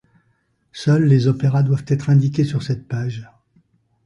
Seuls les opéras doivent être indiqués sur cette page.